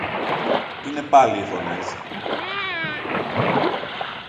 Τι είναι πάλι οι φωνές;